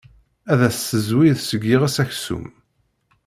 Ad as-tezwi seg yiɣes aksum.